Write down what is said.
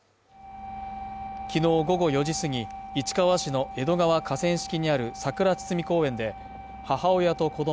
きのう午後４時すぎ、市川市の江戸川河川敷にあるさくら堤公園で母親と子供